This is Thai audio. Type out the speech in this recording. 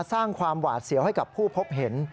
สร้างความหวาดเสียวให้กับผู้พบเห็น